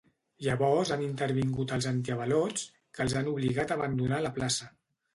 Llavors han intervingut els antiavalots, que els han obligat a abandonar la plaça.